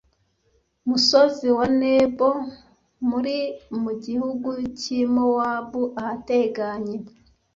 musozi wa Nebo m uri mu gihugu cy i Mowabu ahateganye